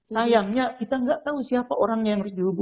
sayangnya kita gak tahu siapa orangnya yang harus dihubungi